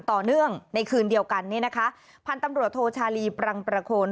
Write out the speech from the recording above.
ต่อเนื่องในคืนเดียวกันเนี่ยนะคะพันธุ์ตำรวจโทชาลีปรังประโคน